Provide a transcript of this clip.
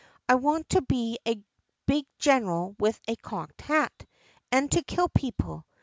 "I want to be a big general with a cocked hat, and to kill people.